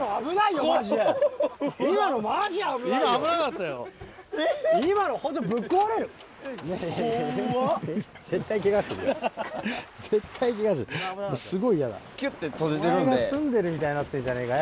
お前が住んでるみたいになってるじゃねえかよ。